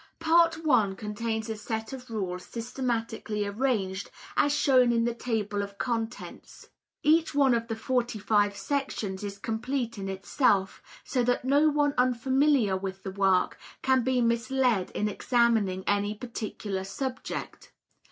] Part I contains a set of Rules of Order systematically arranged, as shown in the Table of Contents. Each one of the forty five sections is complete in itself, so that no one unfamiliar with the work can be misled in examining any particular subject.